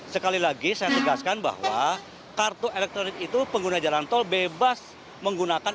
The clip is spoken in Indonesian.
sekali lagi saya tegaskan bahwa kartu elektronik itu pengguna jalan tol bebas menggunakan